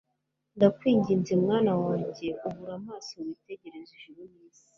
ndakwinginze, mwana wanjye, ubura amaso witegereze ijuru n'isi